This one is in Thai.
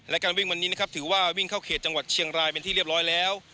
และการวิ่งวันนี้นะครับถือว่าวิ่งเข้าเขตจังหวัดเชียงรายเป็นที่เรียบร้อยแล้ว